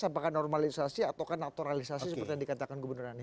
apakah normalisasi atau kan naturalisasi seperti yang dikatakan gubernur anies